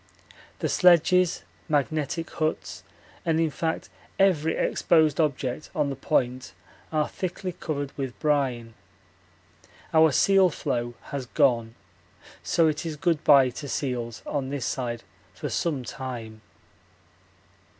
The sledges, magnetic huts, and in fact every exposed object on the Point are thickly covered with brine. Our seal floe has gone, so it is good bye to seals on this side for some time.